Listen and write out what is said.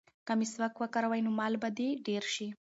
که مسواک وکاروې نو مال به دې ډېر شي.